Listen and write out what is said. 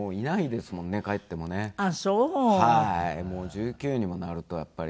１９にもなるとやっぱり。